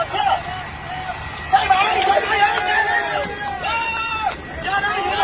อย่าอย่าอย่าอย่าอย่าอย่าอย่าอย่าอย่าอย่าอย่าอย่าอย่าอย่า